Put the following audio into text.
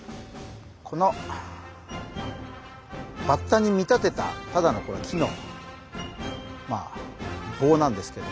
このバッタに見立てたただのこれは木のまあ棒なんですけど。